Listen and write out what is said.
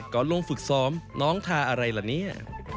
ก่อนลงฝึกซ้อมน้องทาอะไรแหละเนี้ย